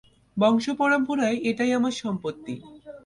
বংশ পরম্পরায় এটাই আমার সম্পত্তি।